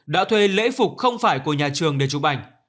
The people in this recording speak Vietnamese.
đã thuê lễ phục không phải của nhà trường để chúc bành